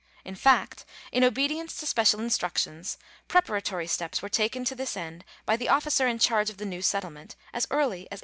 In fact, in obedience to special instructions, preparatory steps were taken to this end by the officer in charge of the new settlement as early as 1837.